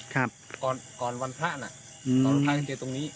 เมื่อวานก็เจอตรงนี้